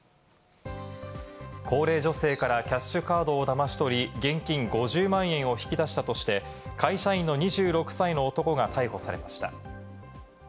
高齢女性からキャッシュカードをだまし取り、現金５０万円を引き出したとして、会社員の２６歳の男が逮捕されました。